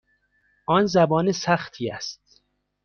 آن زبان سختی است.